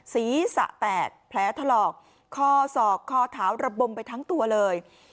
ศีรษะแตกแผลถลอกคอศอกคอเท้าระบมไปทั้งตัวเลย